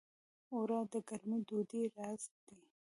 اوړه د ګرمې ډوډۍ راز دي